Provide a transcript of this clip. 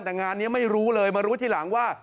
แต่งานนี้ไม่รู้เลยมารู้ทีหลังว่า